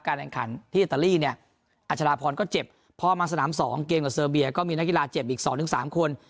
แข่งขันที่อิตาลีเนี่ยอัชราพรก็เจ็บพอมาสนาม๒เกมกับเซอร์เบียก็มีนักกีฬาเจ็บอีก๒๓คน